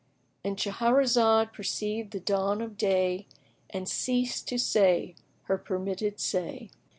"—And Shahrazad perceived the dawn of day and ceased to say her permitted say.